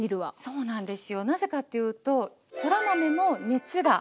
そうなんです。